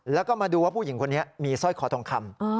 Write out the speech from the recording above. แล้วก็มาดูว่าผู้หญิงคนนี้มีสร้อยคอทองคำ